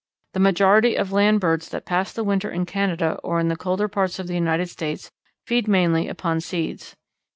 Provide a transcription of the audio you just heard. The majority of land birds that pass the winter in Canada or in the colder parts of the United States feed mainly upon seeds.